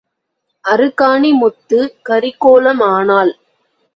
அருக்காணி முத்து கரிக்கோலம் ஆனாள்.